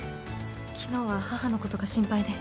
昨日は母のことが心配で。